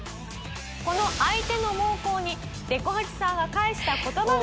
この相手の猛攻にでこ八さんが返した言葉が。